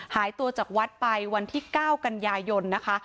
หายตัวจากวัดไปวันที่๙กันยายนนะคะ